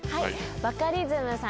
バカリズムさん